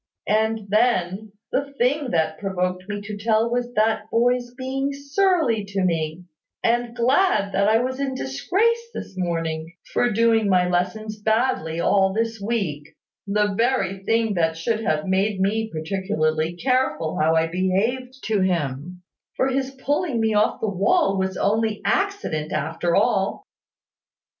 And then, the thing that provoked me to tell was that boy's being surly to me, and glad that I was in disgrace this morning, for doing my lessons badly all this week, the very thing that should have made me particularly careful how I behaved to him: for his pulling me off the wall was only accident, after all.